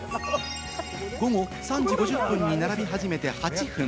午後３時５０分に並び始めて８分。